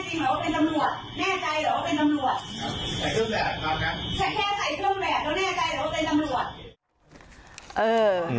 แค่ใช้เครื่องแบบแล้วแน่ใจเหรอว่าเป็นตำรวจ